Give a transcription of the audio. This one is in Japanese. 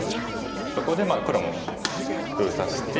そこで黒も封鎖して。